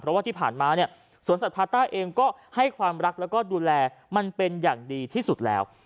เพราะว่าที่ผ่านมาเนี่ยสวนสัตว์พาต้าเองก็ให้ความรักแล้วก็ดูแลมันเป็นอย่างดีที่สุดแล้ว